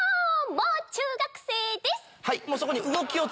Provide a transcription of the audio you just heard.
もう中学生です！